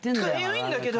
痒いんだけど。